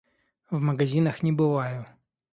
В магазинах не бываю.